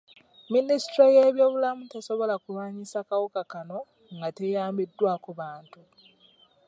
Minisitule y'ebyobulamu tesobola kulwanyisa kawuka kano nga teyambiddwako bantu.